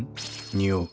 匂う。